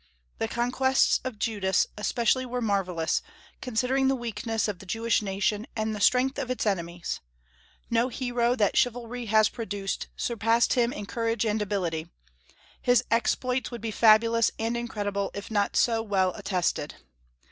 The conquests of Judas especially were marvellous, considering the weakness of the Jewish nation and the strength of its enemies. No hero that chivalry has produced surpassed him in courage and ability; his exploits would be fabulous and incredible if not so well attested.